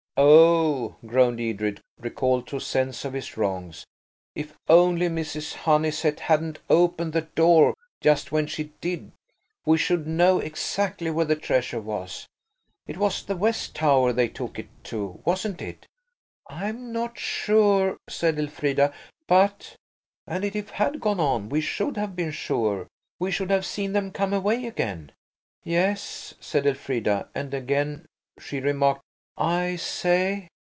"Oh!" groaned Edred, recalled to a sense of his wrongs. "If only Mrs. Honeysett hadn't opened the door just when she did, we should know exactly where the treasure was. It was the West Tower they took it to, wasn't it?" "I'm not sure," said Elfrida, "but–" "And if it had gone on we should have been sure–we should have seen them come away again." "Yes," said Elfrida, and again she remarked, "I say?"